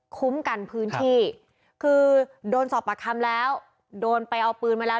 คุ้มกันพื้นที่คือโดนสอบปากคำแล้วโดนไปเอาปืนมาแล้ว